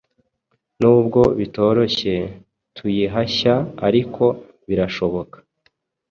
Nubwo bitoroshye kuyihashya ariko birashoboka